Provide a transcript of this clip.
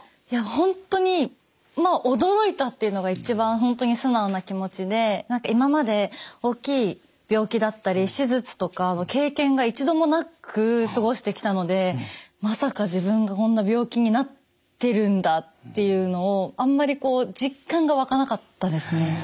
いや本当にまあ驚いたっていうのが一番本当に素直な気持ちで何か今まで大きい病気だったり手術とかは経験が一度もなく過ごしてきたのでまさか自分がこんな病気になってるんだっていうのをあんまりこう実感が湧かなかったですね